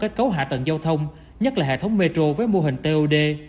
tại hệ thống metro với mô hình tod